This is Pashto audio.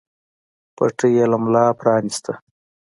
پټۍ يې له ملا پرانېسته.